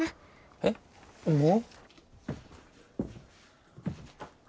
えっもう？